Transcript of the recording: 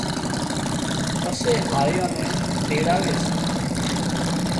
پسي هاۯيائان نين تيڙاوي سي